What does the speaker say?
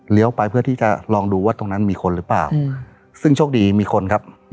ไปเพื่อที่จะลองดูว่าตรงนั้นมีคนหรือเปล่าซึ่งโชคดีมีคนครับ